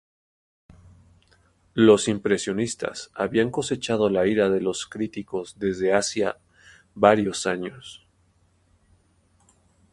Los impresionistas habían cosechado la ira de los críticos desde hacía varios años.